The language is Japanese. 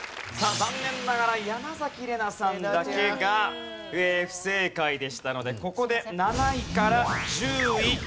さあ残念ながら山崎怜奈さんだけが不正解でしたのでここで７位から１０位。